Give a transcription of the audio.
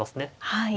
はい。